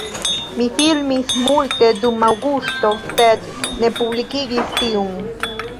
Mi filmis multe dum aŭgusto sed ne publikigis tiun